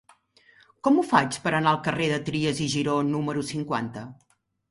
Com ho faig per anar al carrer de Trias i Giró número cinquanta?